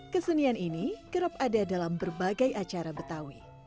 kesenian ini kerap ada dalam berbagai acara betawi